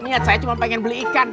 ingat saya cuma pengen beli ikan